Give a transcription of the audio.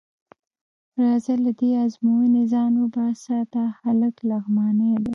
راځه له دې ازموینې ځان وباسه، دا هلک لغمانی دی.